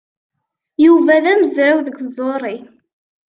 Yuba d amezraw deg tẓuṛi.